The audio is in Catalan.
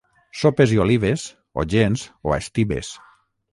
Sopes i olives, o gens o a estibes.